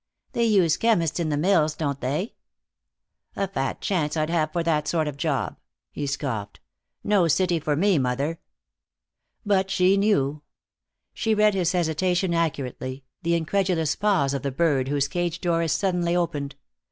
"They use chemists in the mills, don't they?" "A fat chance I'd have for that sort of job," he scoffed. "No city for me, mother." But she knew. She read his hesitation accurately, the incredulous pause of the bird whose cage door is suddenly opened.